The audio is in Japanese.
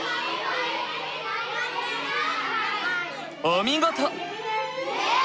お見事！